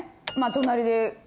隣で。